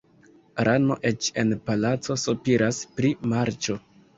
Rano eĉ en palaco sopiras pri marĉo.